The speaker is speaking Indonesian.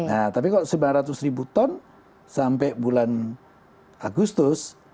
nah tapi kalau sembilan ratus ribu ton sampai bulan agustus